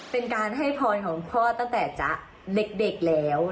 เป็นการให้พรของพ่อตั้งแต่จ๊ะเด็กแล้ว